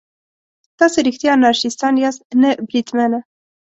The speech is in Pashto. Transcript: تاسې رښتیا انارشیستان یاست؟ نه بریدمنه.